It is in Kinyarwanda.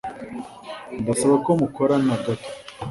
Ndasaba ko mukorana gato.